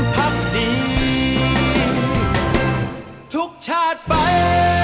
พักดีทุกชาติไป